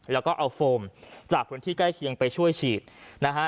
แล้วก็เอาโฟมจากพื้นที่ใกล้เคียงไปช่วยฉีดนะฮะ